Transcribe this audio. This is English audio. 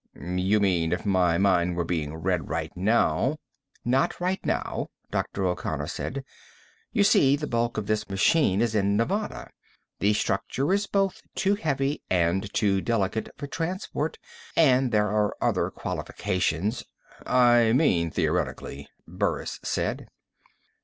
"You mean, if my mind were being read right now " "Not right now," Dr. O'Connor said. "You see, the bulk of this machine is in Nevada; the structure is both too heavy and too delicate for transport. And there are other qualifications " "I meant theoretically," Burris said.